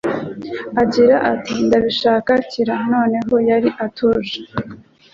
agira ati : "Ndabishaka kira," noneho yari ituje.